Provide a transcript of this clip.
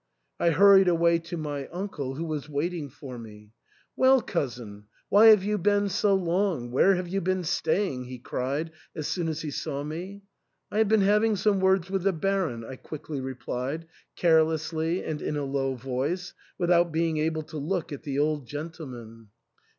I hurried away to my uncle, who was waiting for me. "Well, cousin, why have you been so long? Where have you been staying ?" he cried as soon as he saw me. I have been having some words with the Baron !" I quickly replied, carelessly and in a low voice, without being able to look at the old gentle man.